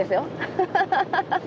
ハハハハ。